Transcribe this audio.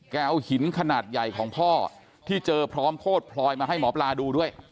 เอาหินขนาดใหญ่ของพ่อที่เจอพร้อมโคตรพลอยมาให้หมอปลาดูด้วย